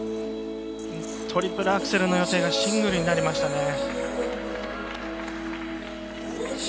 トリプルアクセルの予定がシングルになりました。